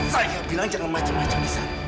saya bilang jangan macem macem nisa